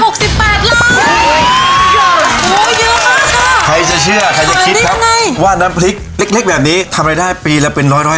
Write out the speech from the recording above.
โอ้เยอะมากค่ะใครจะเชื่อใครจะคิดครับว่าน้ำพริกเล็กแบบนี้ทำยังได้ปีละเป็นร้อย